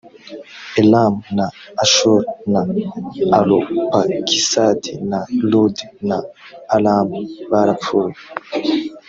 elamu na ashuri na arupakisadi na ludi na aramu barapfuye